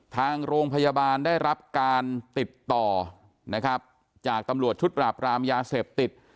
ทางโรงพยาบาลได้รับการติดต่อนะครับจากตำรวจชุดปราบรามยาเสพติด